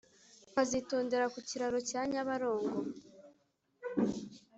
Nkazitondera ku kiraro cya nyabarongo